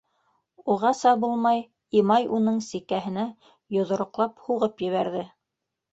Уғаса булмай, Имай уның сикәһенә йоҙроҡлап һуғып ебәрҙе.